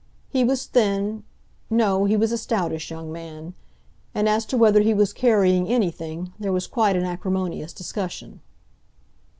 He was thin—no, he was a stoutish young man. And as to whether he was carrying anything, there was quite an acrimonious discussion.